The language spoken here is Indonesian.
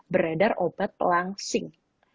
beredar obat pelangsing